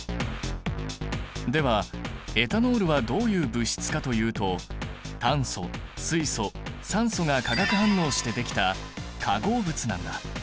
ではエタノールはどういう物質かというと炭素水素酸素が化学反応してできた化合物なんだ。